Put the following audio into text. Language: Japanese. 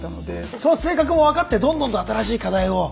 その性格も分かってどんどんと新しい課題を。